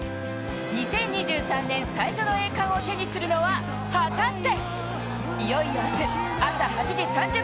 ２０２３年最初の栄冠を手にするのは果たして？